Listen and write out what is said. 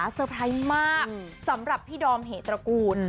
เตอร์ไพรส์มากสำหรับพี่ดอมเหตระกูล